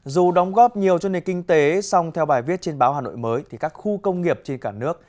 dù đóng góp nhiều cho nền kinh tế song theo bài viết trên báo hà nội mới thì các khu công nghiệp trên cả nước